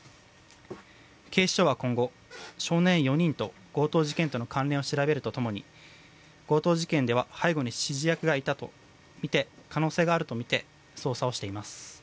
警視庁は今後少年４人と強盗事件との関連を調べるとともに強盗事件では背後に指示役がいた可能性があるとみて捜査をしています。